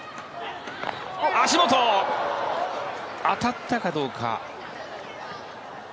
足元、当たったかどうか。